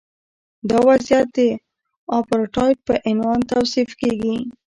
دا وضعیت د اپارټایډ په عنوان توصیف کیږي.